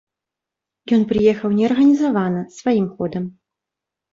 Ён прыехаў неарганізавана, сваім ходам.